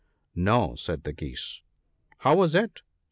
"No," said the Geese, "how was it?"